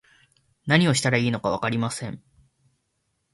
何をしたらいいのかわかりません